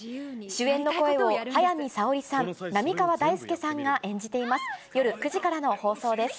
主演の声を早見沙織さん、浪川大輔さんが演じています。